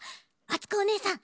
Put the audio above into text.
あつこおねえさん